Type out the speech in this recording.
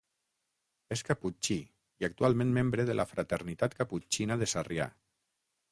És caputxí i actualment membre de la Fraternitat Caputxina de Sarrià.